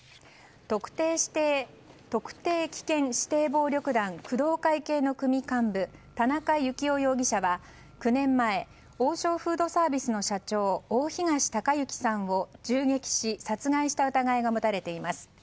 特定危険指定暴力団工藤会系の組幹部田中幸雄容疑者は、９年前王将フードサービスの社長大東隆行さんを銃撃し殺害した疑いが持たれています。